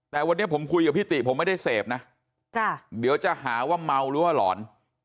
แต่วันนี้ผมคุยกับพี่ติผมไม่ได้เสพนะเดี๋ยวจะหาว่าเมาหรือว่าหลอน